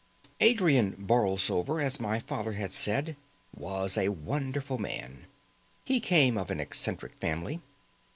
Adrian Borlsover, as my father had said, was a wonderful man. He came of an eccentric family.